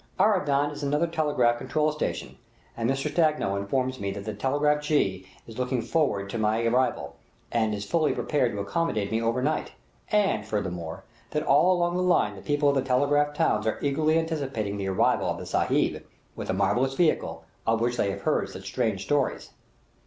Aradan is another telegraph control station, and Mr. Stagno informs me that the telegraph jee is looking forward to my arrival, and is fully prepared to accommodate me over night; and, furthermore, that all along the line the people of the telegraph towns are eagerly anticipating the arrival of the Sahib, with the marvellous vehicle, of which they have heard such strange stories.